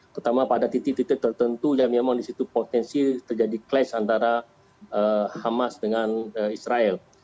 terutama pada titik titik tertentu yang memang di situ potensi terjadi clash antara hamas dengan israel